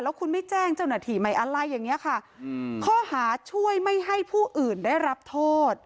แล้วคุณไม่แจ้งเจ้าหน้าที่ไหมอะไรอย่างนี้ค่ะข้อหาช่วยไม่ให้ผู้อื่นได้รับโทษ